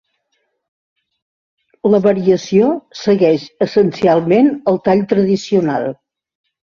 La variació segueix essencialment el tall tradicional.